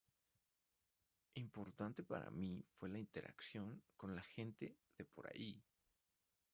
Importante para mí fue la interacción con la gente de por ahí.